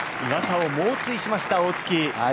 岩田を猛追しました、大槻。